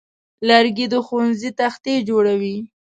لرګی د ښوونځي تختې جوړوي.